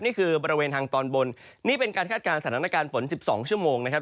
นี่คือบริเวณทางตอนบนนี่เป็นการคาดการณ์สถานการณ์ฝน๑๒ชั่วโมงนะครับ